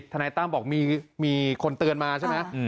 นายตั้มบอกมีคนเตือนมาใช่ไหม